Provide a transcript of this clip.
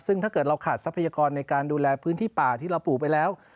ซึ่งถ้าเกิดเราขาดทรัพยากรในการดูแลพื้นที่ป่าที่เราปลูกไปแล้ว